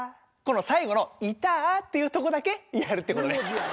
この最後の「いた」っていうとこだけやるってことです。